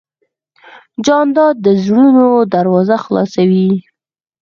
جانداد د زړونو دروازه خلاصوي.